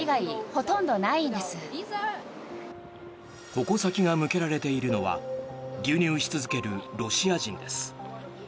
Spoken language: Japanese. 矛先が向けられているのは流入し続けるロシア人です。